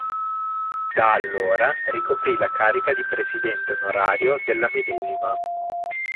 Da allora ricoprì la carica di presidente onorario della medesima.